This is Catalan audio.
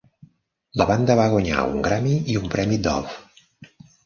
La banda va guanyar un Grammy i un premi Dove.